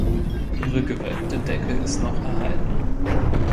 Ihre gewölbte Decke ist noch erhalten.